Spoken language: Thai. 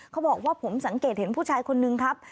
เขาบอกว่าผมสังเกตเห็นผู้ชายคนนึงครับ